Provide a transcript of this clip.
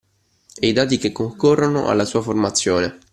E i dati che concorrono alla sua formazione